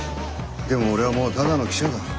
でも俺はもうただの記者だ。